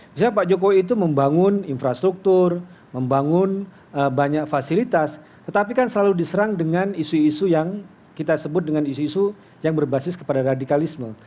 misalnya pak jokowi itu membangun infrastruktur membangun banyak fasilitas tetapi kan selalu diserang dengan isu isu yang kita sebut dengan isu isu yang berbasis kepada radikalisme